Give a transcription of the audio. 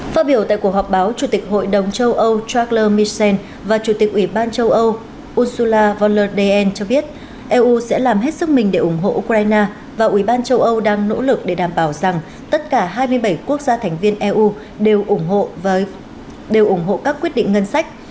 phát biểu tại cuộc họp báo chủ tịch hội đồng châu âu charles michel và chủ tịch ủy ban châu âu ursula von der leyen cho biết eu sẽ làm hết sức mình để ủng hộ ukraine và ủy ban châu âu đang nỗ lực để đảm bảo rằng tất cả hai mươi bảy quốc gia thành viên eu đều ủng hộ các quyết định ngân sách